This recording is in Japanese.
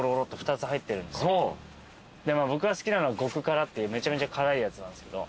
僕が好きなのは極辛っていうめちゃめちゃ辛いやつなんですけど。